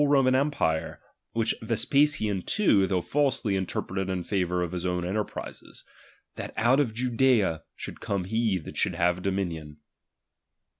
s Romau empire ; which Vespasian too, though ''~ falsely, interpreted in favour of his own enter prises ; fhat out of Judea should come lie that should haee dominion.